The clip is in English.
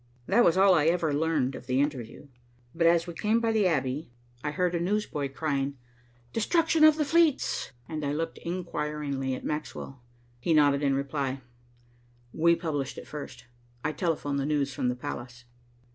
That was all I ever learned of the interview, but, as we came by the Abbey, I heard a newsboy crying, "Destruction of the fleets," and I looked inquiringly at Maxwell. He nodded in reply, "We published it first. I telephoned the news from the palace."